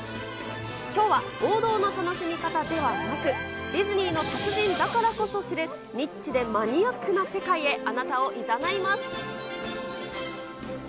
きょうは王道の楽しみ方ではなく、ディズニーの達人だからこそ知る、ニッチでマニアックな世界へ、あなたをいざないます。